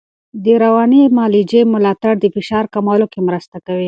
د رواني معالجې ملاتړ د فشار کمولو کې مرسته کوي.